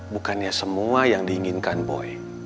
bukannya semua yang diinginkan boy